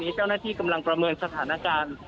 แต่เราก็ได้ยินเสียงปึ้งปั้งตลอดเวลาเลยคุณอภิวัติมันคืออะไรบ้าง